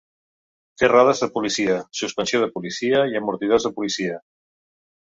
Té rodes de policia, suspensió de policia i amortidors de policia.